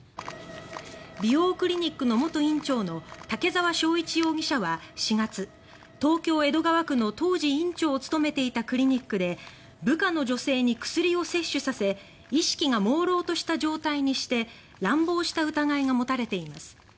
美容クリニックの元院長の竹澤章一容疑者は、４月東京・江戸川区の当時、院長を務めていたクリニックで部下の女性に薬を摂取させ意識がもうろうとした状態にして乱暴した疑いが持たれています。